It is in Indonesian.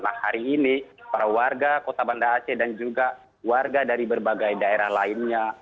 nah hari ini para warga kota banda aceh dan juga warga dari berbagai daerah lainnya